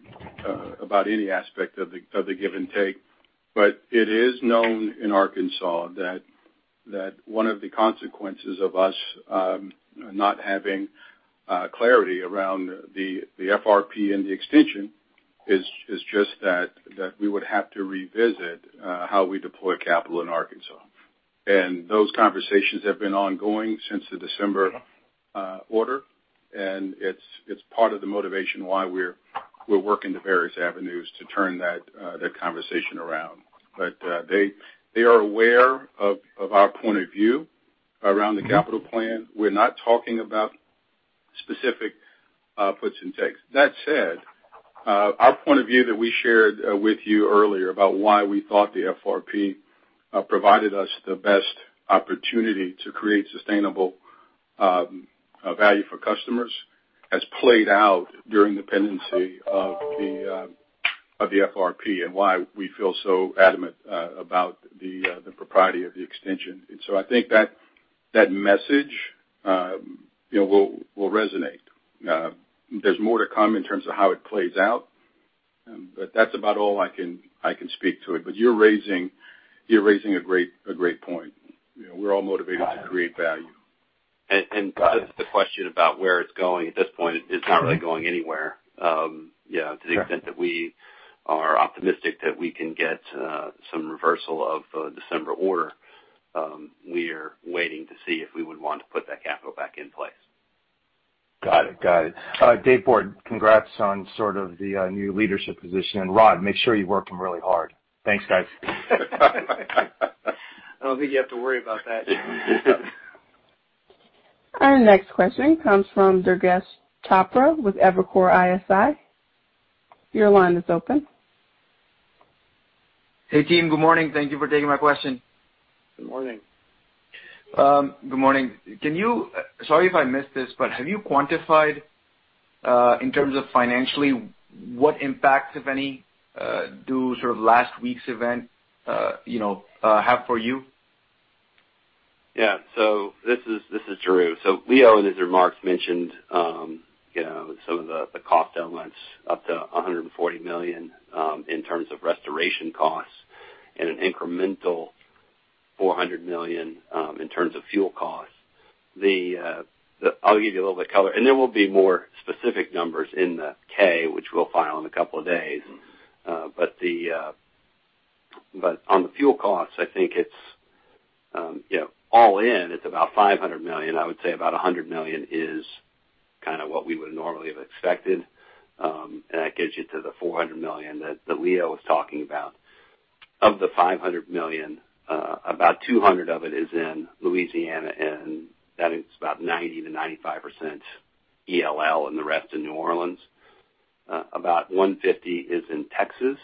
about any aspect of the give and take. It is known in Arkansas that one of the consequences of us not having clarity around the FRP and the extension is just that we would have to revisit how we deploy capital in Arkansas. Those conversations have been ongoing since the December order. It's part of the motivation why we're working the various avenues to turn that conversation around. They are aware of our point of view around the capital plan. We're not talking about specific puts and takes. Our point of view that we shared with you earlier about why we thought the FRP provided us the best opportunity to create sustainable value for customers has played out during the pendency of the FRP and why we feel so adamant about the propriety of the extension. I think that message will resonate. There's more to come in terms of how it plays out, but that's about all I can speak to it. You're raising a great point. We're all motivated to create value. To the question about where it's going at this point, it's not really going anywhere. Yeah. To the extent that we are optimistic that we can get some reversal of the December order. We are waiting to see if we would want to put that capital back in place. Got it. David Borde, congrats on the new leadership position. Rod, make sure you work him really hard. Thanks, guys. I don't think you have to worry about that. Our next question comes from Durgesh Chopra with Evercore ISI. Your line is open. Hey, team. Good morning. Thank you for taking my question. Good morning. Good morning. Sorry if I missed this. Have you quantified, in terms of financially, what impact, if any, do last week's event have for you? This is Drew. Leo, in his remarks, mentioned some of the cost elements, up to $140 million in terms of restoration costs and an incremental $400 million in terms of fuel costs. I'll give you a little bit of color. There will be more specific numbers in the K, which we'll file in a couple of days. On the fuel costs, I think all in, it's about $500 million. I would say about $100 million is kind of what we would normally have expected. That gets you to the $400 million that Leo was talking about. Of the $500 million, about $200 million of it is in Louisiana, and that is about 90%-95% ELL and the rest in New Orleans. About $150 million is in Texas.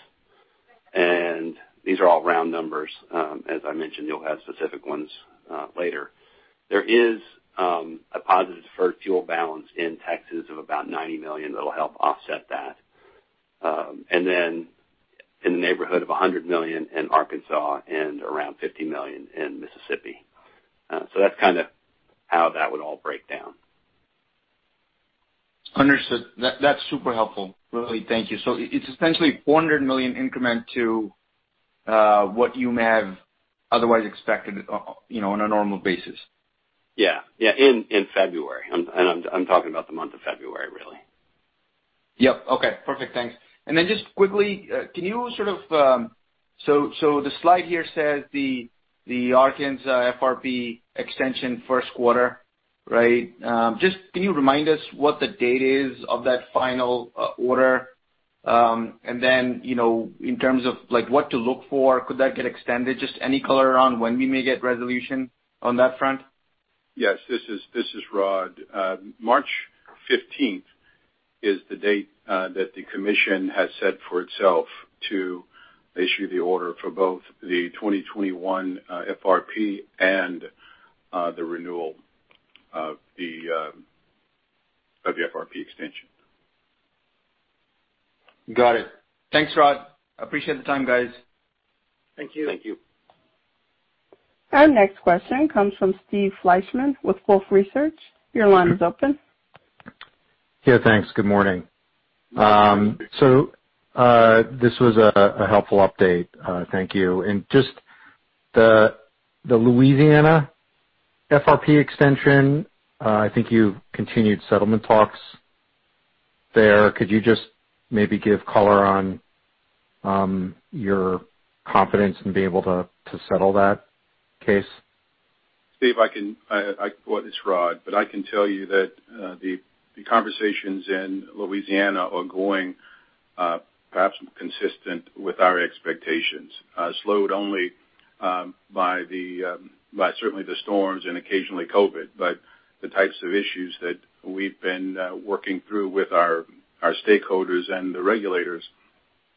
These are all round numbers. As I mentioned, you'll have specific ones later. There is a positive deferred fuel balance in Texas of about $90 million that'll help offset that. In the neighborhood of $100 million in Arkansas and around $50 million in Mississippi. That's kind of how that would all break down. Understood. That's super helpful. Really, thank you. It's essentially $400 million increment to what you may have otherwise expected on a normal basis. Yeah. In February. I'm talking about the month of February, really. Yep. Okay, perfect. Thanks. Then just quickly, so the slide here says the Arkansas FRP extension first quarter, right? Just can you remind us what the date is of that final order? Then, in terms of what to look for, could that get extended? Just any color around when we may get resolution on that front? Yes, this is Rod. March 15th is the date that the commission has set for itself to issue the order for both the 2021 FRP and the renewal of the FRP extension. Got it. Thanks, Rod. Appreciate the time, guys. Thank you. Thank you. Our next question comes from Steve Fleishman with Wolfe Research. Your line is open. Yeah, thanks. Good morning. This was a helpful update. Thank you. Just the Louisiana FRP extension, I think you've continued settlement talks there. Could you just maybe give color on your confidence in being able to settle that case? Steve, this is Rod, but I can tell you that the conversations in Louisiana are going perhaps consistent with our expectations. Slowed only by certainly the storms and occasionally COVID. The types of issues that we've been working through with our stakeholders and the regulators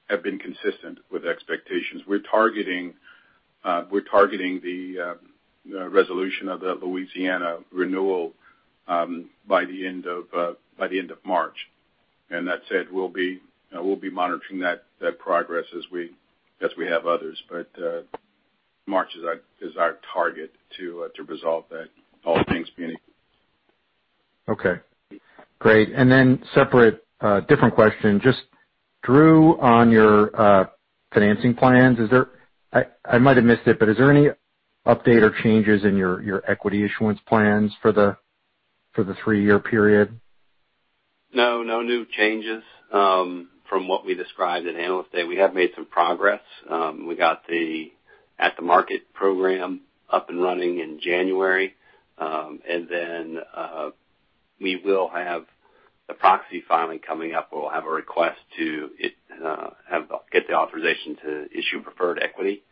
have been consistent with expectations. We're targeting the resolution of the Louisiana renewal by the end of March. That said, we'll be monitoring that progress as we have others. March is our target to resolve that, all things being equal. Okay, great. Separate, different question. Just, Drew, on your financing plans, I might have missed it, but is there any update or changes in your equity issuance plans for the three-year period? No. No new changes from what we described at Analyst Day. We have made some progress. We got the at the market program up and running in January. We will have the proxy filing coming up where we'll have a request to get the authorization to issue preferred equity.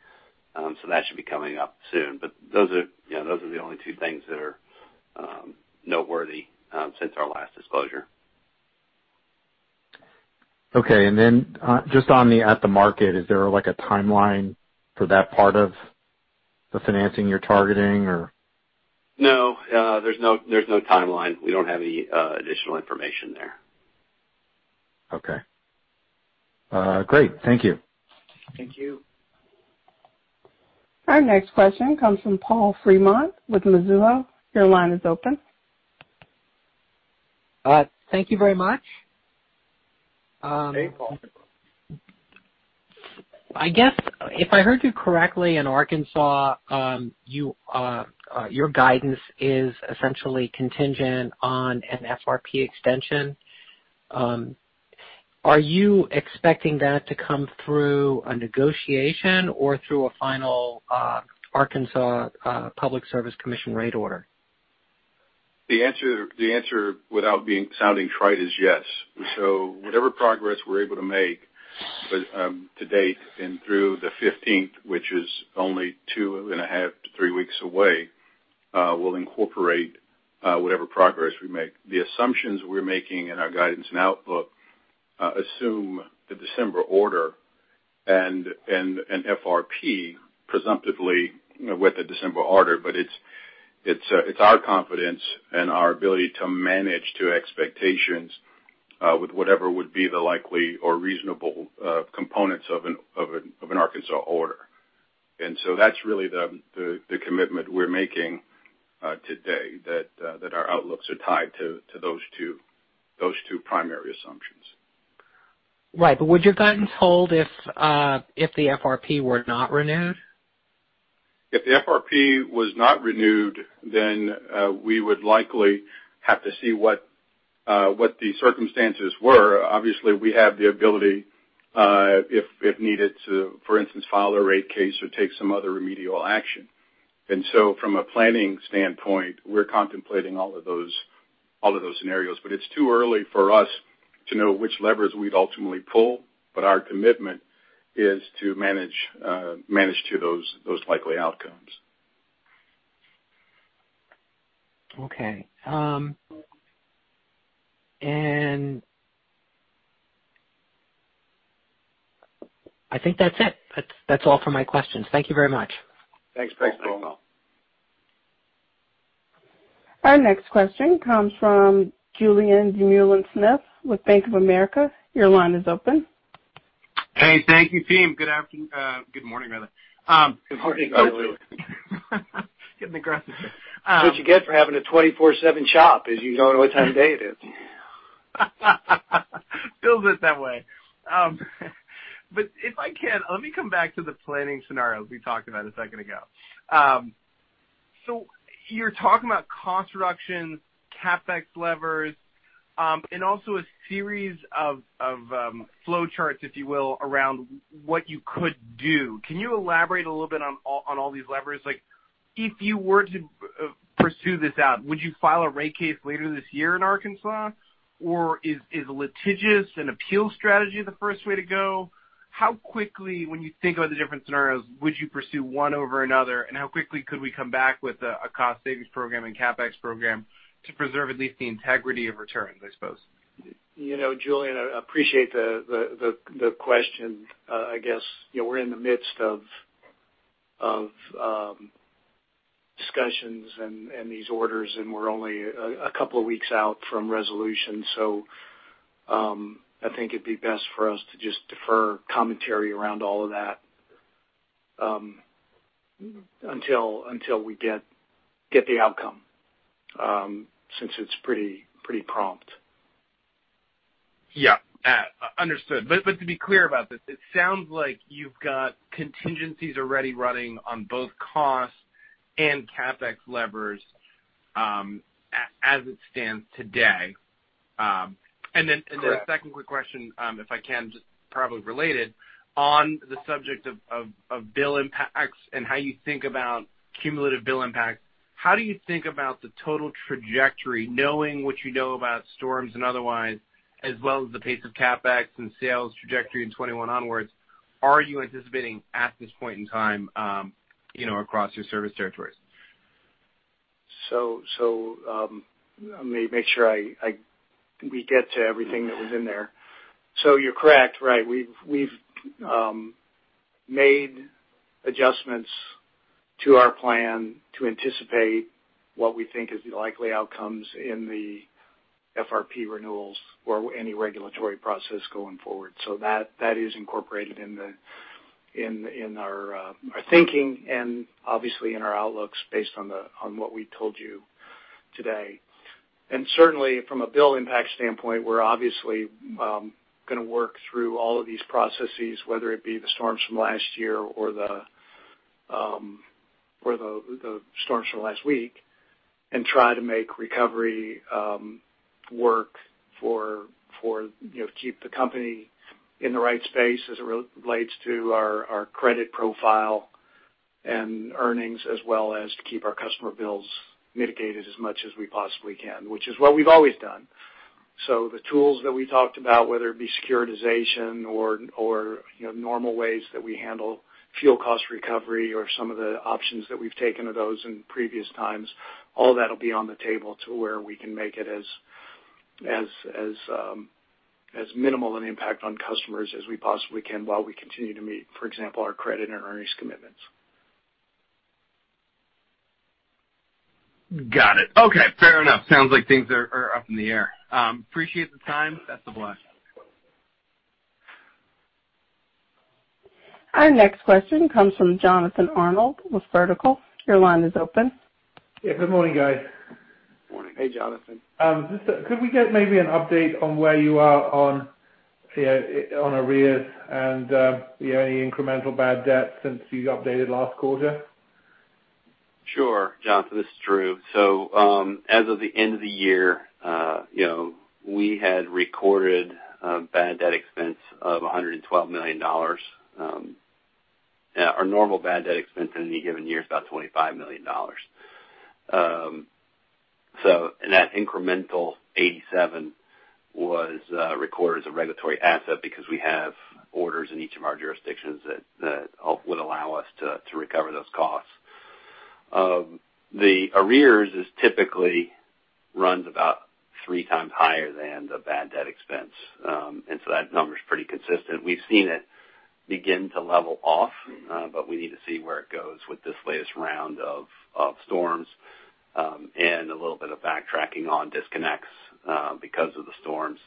That should be coming up soon. Those are the only two things that are noteworthy since our last disclosure. Okay. Then just on the at the market, is there a timeline for that part of the financing you're targeting or? No. There's no timeline. We don't have any additional information there. Okay. Great. Thank you. Thank you. Our next question comes from Paul Fremont with Mizuho. Your line is open. Thank you very much. Hey, Paul. I guess if I heard you correctly, in Arkansas, your guidance is essentially contingent on an FRP extension. Are you expecting that to come through a negotiation or through a final Arkansas Public Service Commission rate order? The answer without sounding trite is yes. Whatever progress we're able to make to date and through the 15th, which is only 2.5-3 weeks away, we'll incorporate whatever progress we make. The assumptions we're making in our guidance and outlook assume the December order and FRP presumptively with the December order. It's our confidence and our ability to manage to expectations with whatever would be the likely or reasonable components of an Arkansas order. That's really the commitment we're making today, that our outlooks are tied to those two primary assumptions. Right. Would your guidance hold if the FRP were not renewed? If the FRP was not renewed, we would likely have to see what the circumstances were. Obviously, we have the ability, if needed, to, for instance, file a rate case or take some other remedial action. From a planning standpoint, we're contemplating all of those scenarios. It's too early for us to know which levers we'd ultimately pull. Our commitment is to manage to those likely outcomes. Okay. I think that's it. That's all for my questions. Thank you very much. Thanks, Paul. Thanks, Paul Our next question comes from Julien Dumoulin-Smith with Bank of America. Your line is open. Hey. Thank you, team. Good afternoon. Good morning, rather. Good morning. Getting aggressive here. That's what you get for having a 24/7 shop, is you don't know what time of day it is. Feels it that way. If I can, let me come back to the planning scenarios we talked about a second ago. You're talking about cost reductions, CapEx levers, and also a series of flowcharts, if you will, around what you could do. Can you elaborate a little bit on all these levers? If you were to pursue this out, would you file a rate case later this year in Arkansas? Is litigious and appeal strategy the first way to go? How quickly, when you think about the different scenarios, would you pursue one over another? How quickly could we come back with a cost savings program and CapEx program to preserve at least the integrity of returns, I suppose? You know, Julien, I appreciate the question. Discussions and these orders, and we're only a couple of weeks out from resolution. I think it'd be best for us to just defer commentary around all of that until we get the outcome since it's pretty prompt. Yeah. Understood. To be clear about this, it sounds like you've got contingencies already running on both costs and CapEx levers as it stands today. Correct. A second quick question, if I can, just probably related, on the subject of bill impacts and how you think about cumulative bill impacts, how do you think about the total trajectory, knowing what you know about storms and otherwise, as well as the pace of CapEx and sales trajectory in 2021 onwards? Are you anticipating at this point in time across your service territories? Let me make sure we get to everything that was in there. You're correct, right? We've made adjustments to our plan to anticipate what we think is the likely outcomes in the FRP renewals or any regulatory process going forward. That is incorporated in our thinking and obviously in our outlooks based on what we told you today. Certainly from a bill impact standpoint, we're obviously going to work through all of these processes, whether it be the storms from last year or the storms from last week, and try to make recovery work to keep the company in the right space as it relates to our credit profile and earnings, as well as to keep our customer bills mitigated as much as we possibly can, which is what we've always done. The tools that we talked about, whether it be securitization or normal ways that we handle fuel cost recovery or some of the options that we've taken of those in previous times, all that'll be on the table to where we can make it as minimal an impact on customers as we possibly can while we continue to meet, for example, our credit and earnings commitments. Got it. Okay, fair enough. Sounds like things are up in the air. Appreciate the time. Best of luck. Our next question comes from Jonathan Arnold with Vertical. Your line is open. Yeah, good morning, guys. Morning. Hey, Jonathan. Could we get maybe an update on where you are on arrears and any incremental bad debt since you updated last quarter? Sure, Jonathan, this is Drew. As of the end of the year, we had recorded a bad debt expense of $112 million. Our normal bad debt expense in any given year is about $25 million. That incremental 87 was recorded as a regulatory asset because we have orders in each of our jurisdictions that would allow us to recover those costs. The arrears is typically runs about three times higher than the bad debt expense. That number's pretty consistent. We've seen it begin to level off, but we need to see where it goes with this latest round of storms, and a little bit of backtracking on disconnects because of the storms.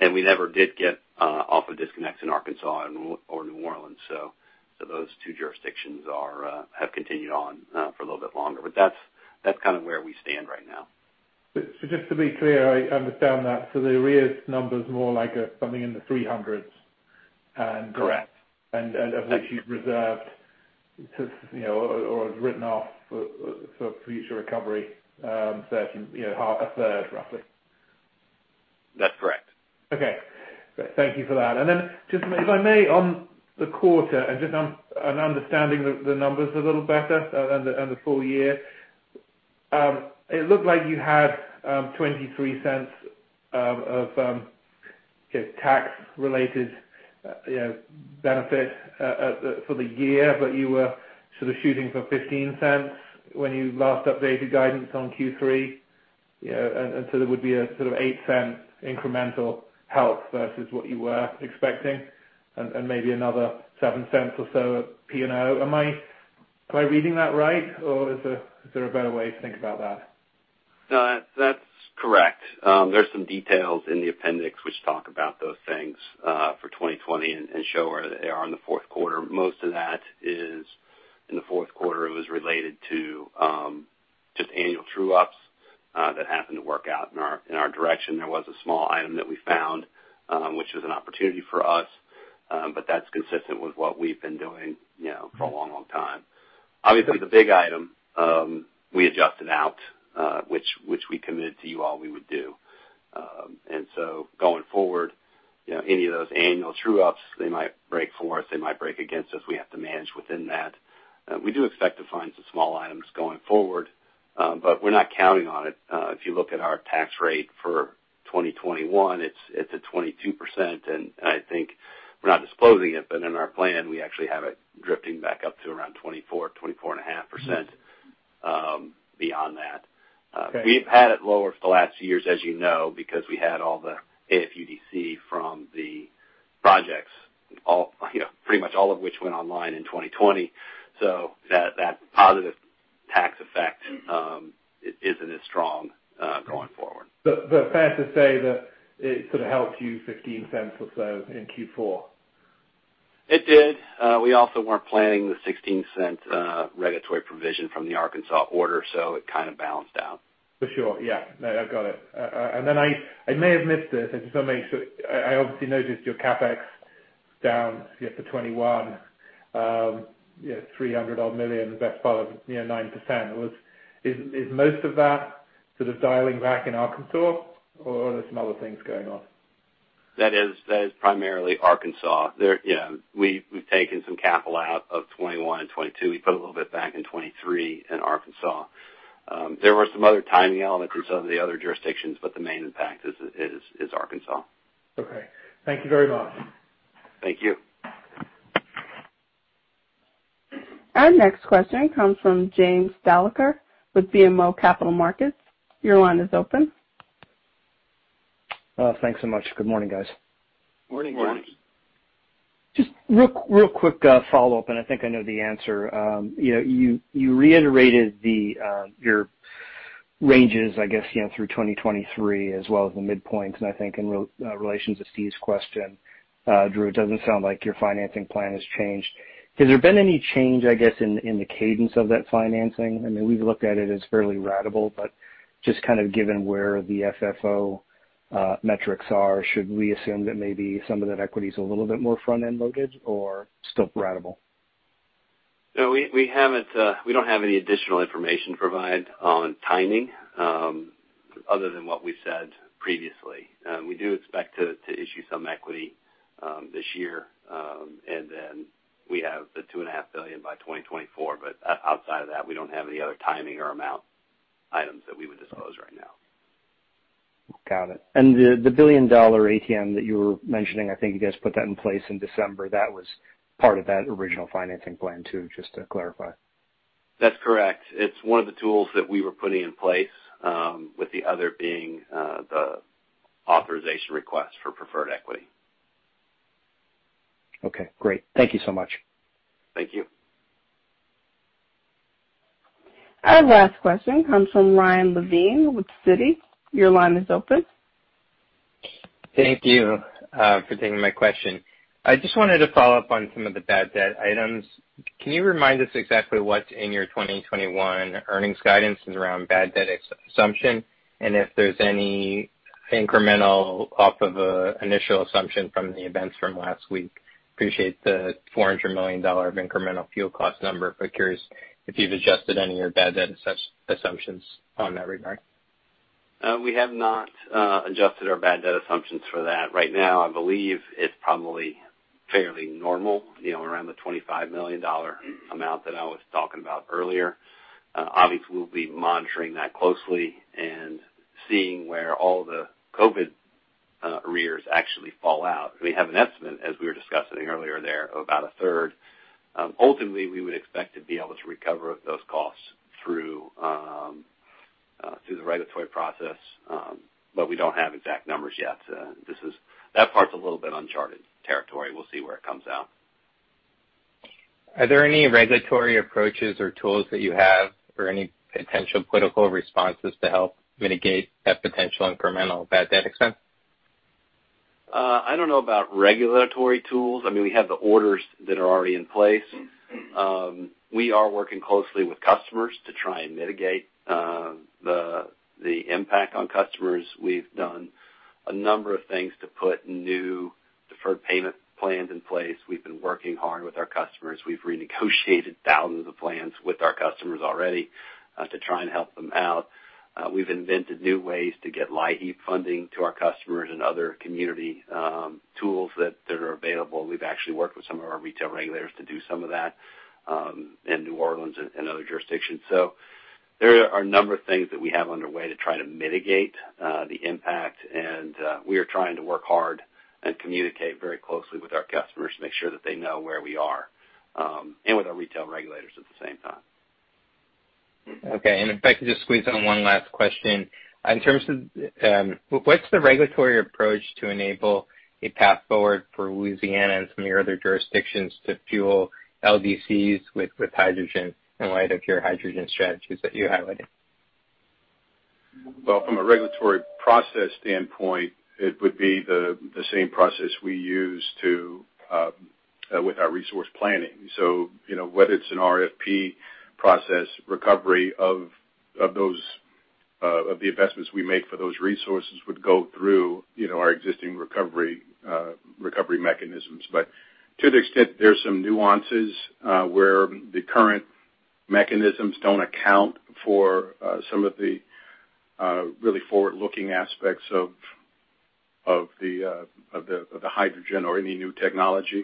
We never did get off of disconnects in Arkansas or New Orleans. Those two jurisdictions have continued on for a little bit longer. That's kind of where we stand right now. Just to be clear, I understand that. The arrears number's more like something in the 300s. Correct Of which you've reserved or have written off for future recovery a third, roughly. That's correct. Okay. Great. Thank you for that. Then just if I may, on the quarter and just on understanding the numbers a little better and the full year, it looked like you had $0.23 of tax related benefit for the year, but you were sort of shooting for $0.15 when you last updated guidance on Q3. There would be a sort of $0.08 incremental help versus what you were expecting and maybe another $0.07 or so of P&O. Am I reading that right or is there a better way to think about that? No, that's correct. There's some details in the appendix which talk about those things for 2020 and show where they are in the fourth quarter. Most of that is in the fourth quarter. It was related to just annual true-ups that happened to work out in our direction. There was a small item that we found which was an opportunity for us, but that's consistent with what we've been doing for a long, long time. Obviously, the big item we adjusted out which we committed to you all we would do. Going forward, any of those annual true-ups, they might break for us, they might break against us. We have to manage within that. We do expect to find some small items going forward, but we're not counting on it. If you look at our tax rate for 2021, it's at 22%, and I think we're not disclosing it, but in our plan, we actually have it drifting back up to around 24.5% beyond that. We've had it lower for the last years, as you know, because we had all the AFUDC from the projects, pretty much all of which went online in 2020. That positive tax effect isn't as strong going forward. Fair to say that it sort of helps you $0.15 or so in Q4? It did. We also weren't planning the $0.16 regulatory provision from the Arkansas order, so it kind of balanced out. For sure. Yeah. No, I've got it. I may have missed this. I obviously noticed your CapEx down for 2021, $300 odd million, that's best part of it is near 9%. Is most of that sort of dialing back in Arkansas or are there some other things going on? That is primarily Arkansas. We've taken some capital out of 2021 and 2022. We put a little bit back in 2023 in Arkansas. There were some other timing elements in some of the other jurisdictions, but the main impact is Arkansas. Okay. Thank you very much. Thank you. Our next question comes from James Thalacker with BMO Capital Markets. Your line is open. Thanks so much. Good morning, guys. Morning. Morning. Just real quick follow-up, and I think I know the answer. You reiterated your ranges, I guess, through 2023 as well as the midpoint. I think in relation to Steve's question, Drew, it doesn't sound like your financing plan has changed. Has there been any change, I guess, in the cadence of that financing? I mean, we've looked at it as fairly ratable, but just kind of given where the FFO metrics are, should we assume that maybe some of that equity is a little bit more front-end loaded or still ratable? No, we don't have any additional information to provide on timing other than what we said previously. We do expect to issue some equity this year, and then we have the $2.5 billion by 2024. Outside of that, we don't have any other timing or amount items that we would disclose right now. Got it. The billion-dollar ATM that you were mentioning, I think you guys put that in place in December. That was part of that original financing plan, too, just to clarify. That's correct. It's one of the tools that we were putting in place, with the other being the authorization request for preferred equity. Okay, great. Thank you so much. Thank you. Our last question comes from Ryan Levine with Citi. Your line is open. Thank you for taking my question. I just wanted to follow up on some of the bad debt items. Can you remind us exactly what's in your 2021 earnings guidance around bad debt assumption, and if there's any incremental off of an initial assumption from the events from last week? Appreciate the $400 million of incremental fuel cost number, but curious if you've adjusted any of your bad debt assumptions on that regard. We have not adjusted our bad debt assumptions for that. Right now, I believe it's probably fairly normal, around the $25 million amount that I was talking about earlier. We'll be monitoring that closely and seeing where all the COVID arrears actually fall out. We have an estimate, as we were discussing earlier there, about a third. We would expect to be able to recover those costs through the regulatory process, but we don't have exact numbers yet. That part's a little bit uncharted territory. We'll see where it comes out. Are there any regulatory approaches or tools that you have or any potential political responses to help mitigate that potential incremental bad debt expense? I don't know about regulatory tools. I mean, we have the orders that are already in place. We are working closely with customers to try and mitigate the impact on customers. We've done a number of things to put new deferred payment plans in place. We've been working hard with our customers. We've renegotiated thousands of plans with our customers already to try and help them out. We've invented new ways to get LIHEAP funding to our customers and other community tools that are available. We've actually worked with some of our retail regulators to do some of that in New Orleans and other jurisdictions. There are a number of things that we have underway to try to mitigate the impact, and we are trying to work hard and communicate very closely with our customers to make sure that they know where we are, and with our retail regulators at the same time. Okay. If I could just squeeze in one last question. What's the regulatory approach to enable a path forward for Louisiana and some of your other jurisdictions to fuel LDCs with hydrogen in light of your hydrogen strategies that you highlighted? Well, from a regulatory process standpoint, it would be the same process we use with our resource planning. Whether it's an RFP process, recovery of the investments we make for those resources would go through our existing recovery mechanisms. To the extent there are some nuances where the current mechanisms don't account for some of the really forward-looking aspects of the hydrogen or any new technology,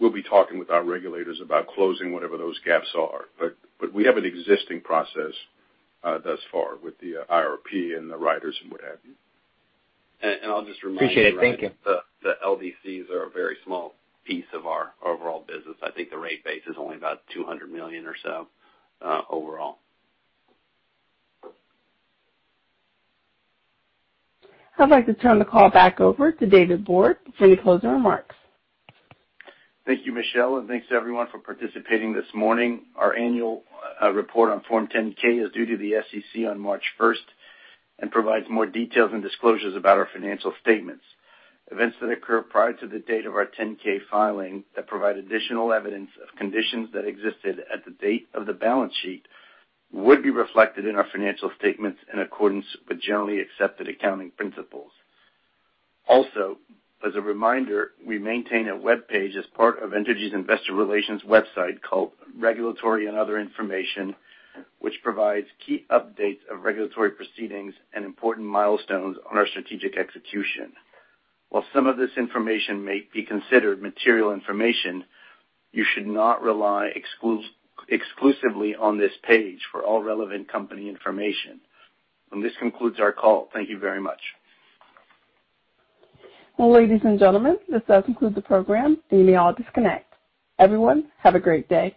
we'll be talking with our regulators about closing whatever those gaps are. We have an existing process thus far with the RFP and the riders and what have you. And I'll just remind- Appreciate it. Thank you The LDCs are a very small piece of our overall business. I think the rate base is only about $200 million or so overall. I'd like to turn the call back over to David Borde for any closing remarks. Thank you, Michelle, and thanks to everyone for participating this morning. Our annual report on Form 10-K is due to the SEC on March 1st and provides more details and disclosures about our financial statements. Events that occur prior to the date of our 10-K filing that provide additional evidence of conditions that existed at the date of the balance sheet would be reflected in our financial statements in accordance with generally accepted accounting principles. Also, as a reminder, we maintain a webpage as part of Entergy's investor relations website called Regulatory and Other Information, which provides key updates of regulatory proceedings and important milestones on our strategic execution. While some of this information may be considered material information, you should not rely exclusively on this page for all relevant company information. This concludes our call. Thank you very much. Ladies and gentlemen, this does conclude the program. You may all disconnect. Everyone, have a great day.